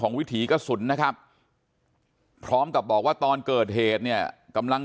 วิถีกระสุนนะครับพร้อมกับบอกว่าตอนเกิดเหตุเนี่ยกำลัง